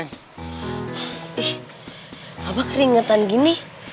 ih apa keringetan gini